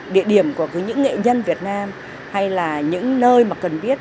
địa điểm của những nghệ nhân việt nam hay là những nơi mà cần biết